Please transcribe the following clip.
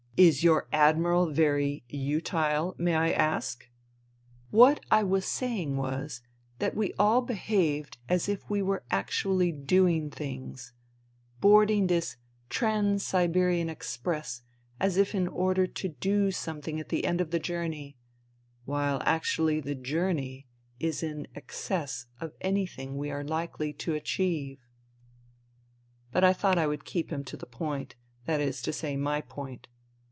Is your Admiral very utile, may I ask ? What I was saying was that we all behaved as if we were actually doing things, boarding this Trans Siberian Express as if in order to do something at the end of the journey, while actually the journey is in excess of anything we are likely to achieve." But I thought I would keep him to the point, that is to say, my point.